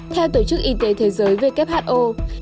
theo tổ chức y tế thế giới who